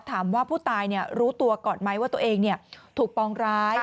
ถามว่าผู้ตายรู้ตัวก่อนไหมว่าตัวเองถูกปองร้าย